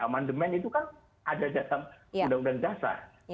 amandemen itu kan ada dalam undang undang dasar